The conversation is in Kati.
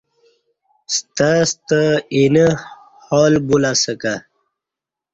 ستہ ستہ ا یینہ حال بولہ اسہ ک ہ